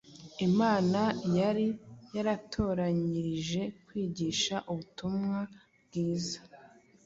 Imana yari yaratoranyirije kwigisha ubutumwa bwiza.